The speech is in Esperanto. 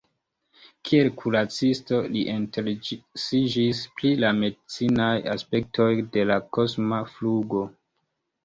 Kiel kuracisto, li interesiĝis pri la medicinaj aspektoj de la kosma flugo.